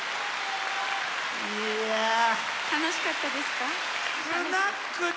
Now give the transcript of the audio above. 楽しかったですか？